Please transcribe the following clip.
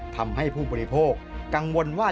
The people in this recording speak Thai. ทำให้ผู้บริโภคกังวลว่า